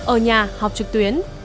ở nhà học trực tuyến